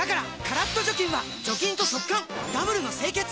カラッと除菌は除菌と速乾ダブルの清潔！